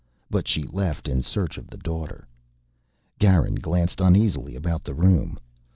But she left in search of the Daughter. Garin glanced uneasily about the room.